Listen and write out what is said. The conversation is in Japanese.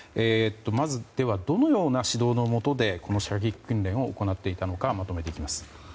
まず、どのような指導のもとで射撃訓練を行っていたのかまとめていきます。